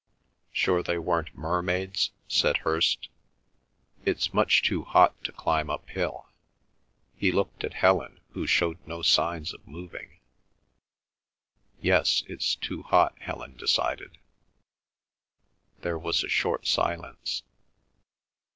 "Sure they weren't mermaids?" said Hirst. "It's much too hot to climb uphill." He looked at Helen, who showed no signs of moving. "Yes, it's too hot," Helen decided. There was a short silence.